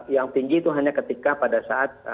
yang tinggi itu hanya ketika pada saat